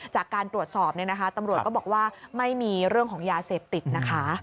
จากการตรวจสอบเนี่ยนะคะตำรวจก็บอกว่าไม่มีเรื่องของยาเสพติดนะคะ